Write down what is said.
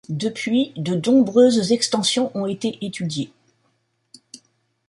Depuis, de nombreuses extensions ont été étudiées.